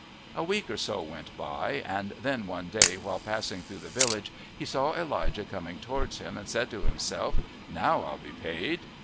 A week or so went by, and then one day while passing through the village he saw Elijah coming towards him, and said to himself, Now I'll be paid!